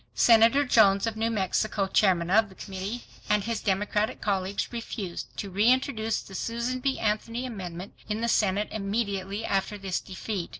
Senator Jones of New Mexico, Chairman of the Committee, and his Democratic colleagues refused to reintroduce the Susan B. Anthony amendment in the Senate immediately after this defeat.